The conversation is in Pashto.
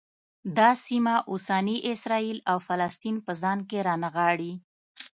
دا سیمه اوسني اسرایل او فلسطین په ځان کې رانغاړي.